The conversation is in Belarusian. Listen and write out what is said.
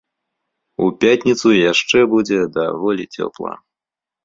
У пятніцу яшчэ будзе даволі цёпла.